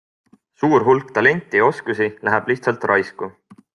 Suur hulk talenti ja oskusi läheb lihtsalt raisku.